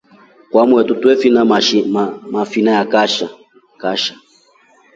Kwamotru twete mafina akasha.